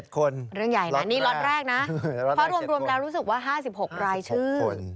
คนเรื่องใหญ่นะนี่ล็อตแรกนะเพราะรวมแล้วรู้สึกว่า๕๖รายชื่อ